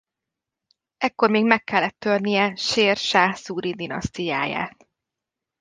Ekkor még meg kellett törnie Sér Sáh Szúri dinasztiáját.